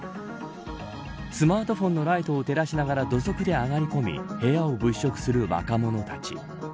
スマートフォンのライトを照らしながら土足で上がり込み部屋を物色する若者たち。